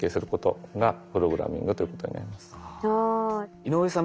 井上さん